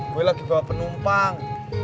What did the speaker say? gue lagi bawa penumpang